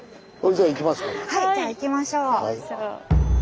はいじゃあ行きましょう。